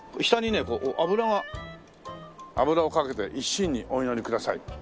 下にねこう油が油をかけて一心にお祈りください。